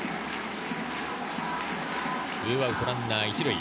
２アウトランナー１塁。